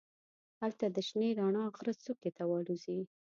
هلته د شنې رڼا غره څوکې ته والوزي.